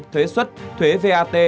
thuế xuất thuế vat